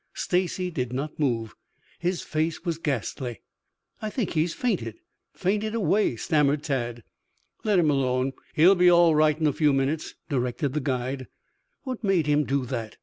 Stacy did not move. His face was ghastly. "I think he has fainted fainted away," stammered Tad. "Let him alone. He'll be all right in a few minutes," directed the guide. "What made him do that?"